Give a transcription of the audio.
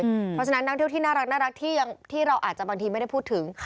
เพราะฉะนั้นนักเที่ยวที่น่ารักที่เราอาจจะบางทีไม่ได้พูดถึง